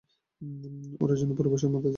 ওরই জন্যে পূর্বপুরুষের মাথা যে হেঁট হল।